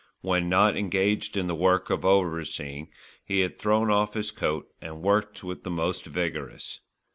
When not engaged in the work of overseeing, he had thrown off his coat and worked with the most vigorous.